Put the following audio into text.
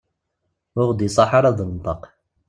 Ur aɣ-d-iṣaḥ ara ad d-nenṭeq.